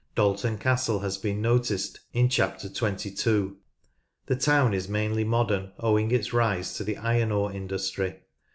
Dalton Castle has been noticed in Chapter 22. The town is mainly modern, owing its rise to the iron ore industry.